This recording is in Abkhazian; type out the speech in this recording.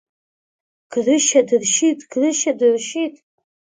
Грышьа дыршьит, Грышьа дыршьит!